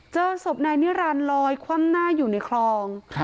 เจอศพนายนิรันดิลอยคว่ำหน้าอยู่ในคลอง